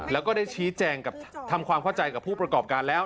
แล้วก็ได้ชี้แจงกับทำความเข้าใจกับผู้ประกอบการแล้ว